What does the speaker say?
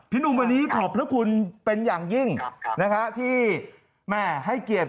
หนุ่มวันนี้ขอบพระคุณเป็นอย่างยิ่งนะฮะที่แม่ให้เกียรติ